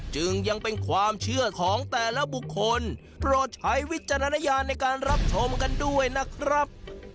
จึงยังเป็นความเชื่อของแต่ละบุคคลโปรดใช้วิจารณญาณในการรับชมกันด้วยนะครับ